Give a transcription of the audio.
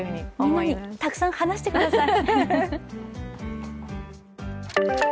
みんなにたくさん話してください。